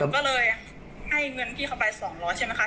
ก็เลยให้เงินพี่เขาไป๒๐๐ใช่ไหมคะ